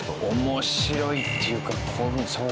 面白いっていうかそうか。